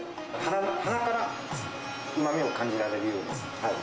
鼻からうまみを感じられるように。